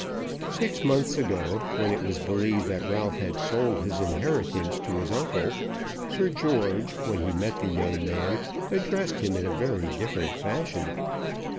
Six months ago, when it was believed that Ralph had sold his inheritance to his uncle, Sir George when he met the young man addressed him in a very different fashion.